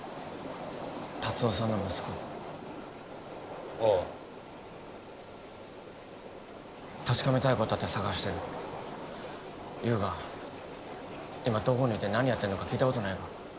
達雄さんの息子ああ確かめたいことあって捜してる優が今どこにいて何やってんのか聞いたことないか？